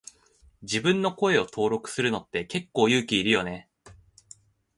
自分の声を登録するのって結構勇気いるよね。